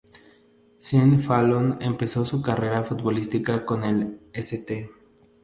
Sean Fallon empezó su carrera futbolística con el St.